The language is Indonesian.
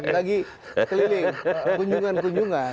lagi keliling kunjungan kunjungan